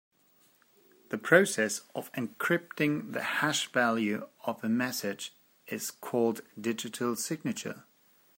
The process of encrypting the hash value of a message is called digital signature.